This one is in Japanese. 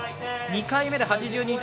２回目で８２．００。